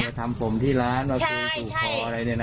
เธอมาทำผมที่ร้านมาคือสู่คออะไรเนี้ยนะ